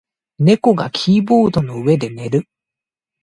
猫がキーボードの上で寝る。